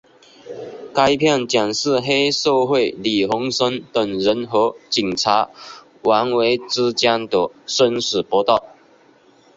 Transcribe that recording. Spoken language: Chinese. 该片讲述黑社会李鸿声等人和警察王维之间的生死搏斗。